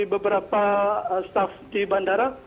beberapa staff di bandara